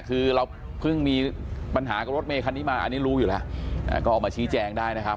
คือเราเพิ่งมีปัญหากับรถเมคันนี้มาอันนี้รู้อยู่แล้วก็ออกมาชี้แจงได้นะครับ